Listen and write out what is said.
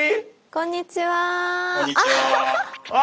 こんにちは。